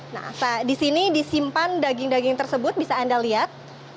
nah di sini disimpan daging daging tersebut bisa anda lihat